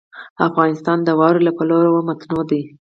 افغانستان د واوره له پلوه متنوع دی.